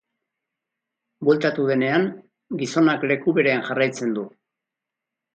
Bueltatu denean, gizonak leku berean jarraitzen du.